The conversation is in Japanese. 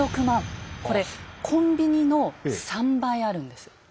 これコンビニの３倍あるんです。